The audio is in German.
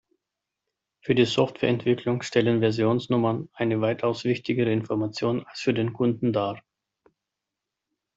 Für die Software-Entwicklung stellen Versionsnummern eine weitaus wichtigere Information als für den Kunden dar.